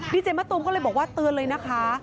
ดีเจมะตูมก็เลยบอกว่าเตือนเลยนะคะ